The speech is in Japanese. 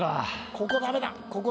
ここダメ。